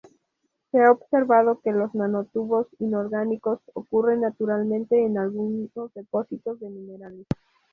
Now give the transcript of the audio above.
Se ha observado que los nanotubos inorgánicos ocurren naturalmente en algunos depósitos de minerales.